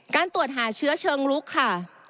การตรวจหาเชื้อเชิงลุกค่ะ